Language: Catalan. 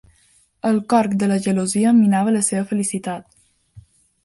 El corc de la gelosia minava la seva felicitat.